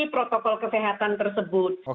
protokol kesehatan tersebut